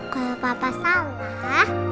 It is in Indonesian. kalau papa salah